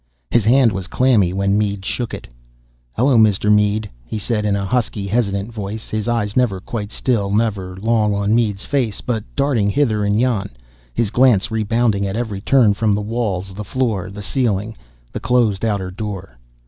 His hand was clammy when Mead shook it. "Hello, Mr. Mead," he said in a husky, hesitant voice, his eyes never quite still, never long on Mead's face, but darting hither and yon, his glance rebounding at every turn from the walls, the floor, the ceiling, the closed outer door.